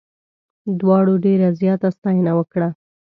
دواړو ډېره زیاته ستاینه وکړه.